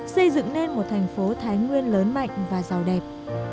xây dựng nên một thành phố thái nguyên lớn mạnh và giàu đẹp